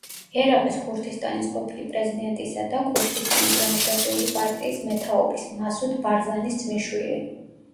ერაყის ქურთისტანის ყოფილი პრეზიდენტისა და ქურთისტანის დემოკრატიული პარტიის მეთაურის მასუდ ბარზანის ძმისშვილი.